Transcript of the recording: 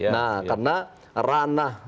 nah karena ranah